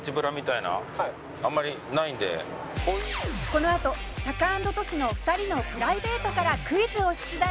このあとタカアンドトシのお二人のプライベートからクイズを出題